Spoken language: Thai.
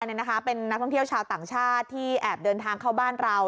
นี่นะคะเป็นนักท่องเที่ยวชาวต่างชาติที่แอบเดินทางเข้าบ้านเรา